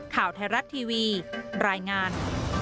ข่าวไทยรัฐทีวีรายงาน